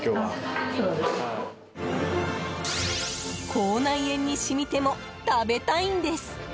口内炎に染みても食べたいんです！